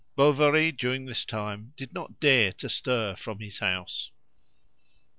Bovary during this time did not dare to stir from his house.